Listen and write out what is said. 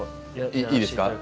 いいですか？